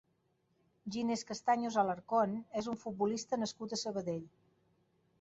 Ginés Castaños Alarcón és un futbolista nascut a Sabadell.